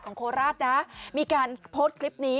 โคราชนะมีการโพสต์คลิปนี้